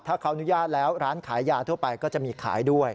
ถ้าเขาอนุญาตแล้วร้านขายยาทั่วไปก็จะมีขายด้วย